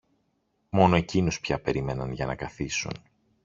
Μόνο εκείνους πια περίμεναν για να καθίσουν.